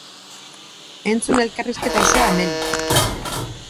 Enztun elkarrizketa osoa hemen!